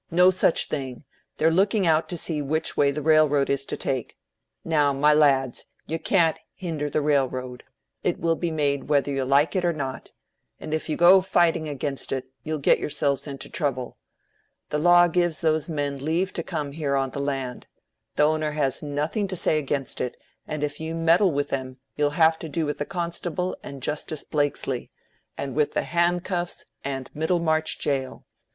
No such thing! They're looking out to see which way the railroad is to take. Now, my lads, you can't hinder the railroad: it will be made whether you like it or not. And if you go fighting against it, you'll get yourselves into trouble. The law gives those men leave to come here on the land. The owner has nothing to say against it, and if you meddle with them you'll have to do with the constable and Justice Blakesley, and with the handcuffs and Middlemarch jail.